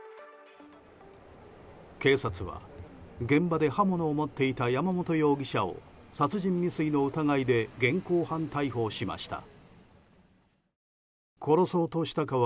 警察は現場で刃物を持っていた山本容疑者を殺人未遂の疑いで現行犯逮捕しました。